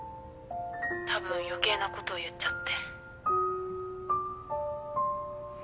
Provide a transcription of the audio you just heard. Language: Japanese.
たぶん余計なこと言っちゃって。